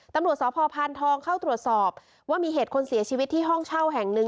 ตำรวจสพพานทองเข้าตรวจสอบว่ามีเหตุคนเสียชีวิตที่ห้องเช่าแห่งหนึ่ง